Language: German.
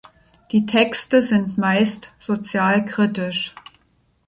Die Texte sind meist sozialkritisch.